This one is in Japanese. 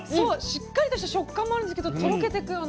しっかりとした食感もあるんですけどとろけてくような形で。